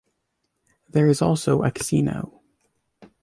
There is also a casino.